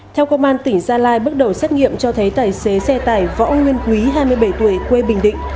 theo công an tỉnh gia lai bước đầu xét nghiệm cho thấy tài xế xe tải võ nguyên quý hai mươi bảy tuổi quê bình định